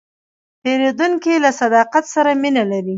پیرودونکی له صداقت سره مینه لري.